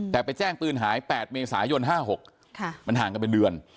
แต่ไปแจ้งปืนหาย๘เมษายน๕๖มันห่างกันเป็นเดือน